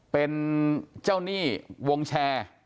เป็นเจ้าหนี้วงแชร์